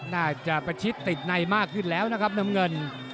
น่าจะประชิดติดในมากขึ้นแล้วนะครับน้ำเงิน